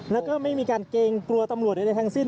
แล้วก็ไม่มีการเกรงกลัวตำรวจใดทั้งสิ้น